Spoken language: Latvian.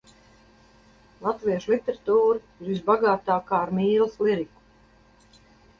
Latviešu literatūra ir visbagātākā ar mīlas liriku.